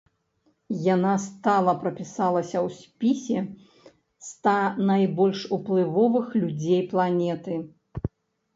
Яна стала прапісалася ў спісе ста найбольш уплывовых людзей планеты.